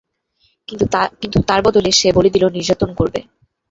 কিন্তু তার বদলে সে বলে দিলো নির্যাতন করবে।